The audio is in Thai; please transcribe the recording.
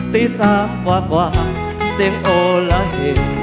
ตีทางกว่าเสียงโอละเห่ย